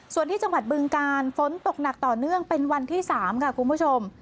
ส่วนที่จังหวัดบึงกาลฝนตกหนักต่อเนื่องเป็นวันที่๓ค่ะคุณผู้ชม